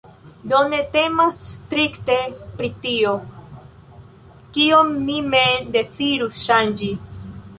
Do ne temas strikte pri tio, kion mi mem dezirus ŝanĝi.